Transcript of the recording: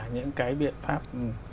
những cái biện pháp